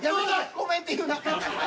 「ごめん」って言うな。